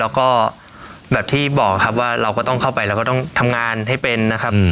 แล้วก็แบบที่บอกครับว่าเราก็ต้องเข้าไปเราก็ต้องทำงานให้เป็นนะครับ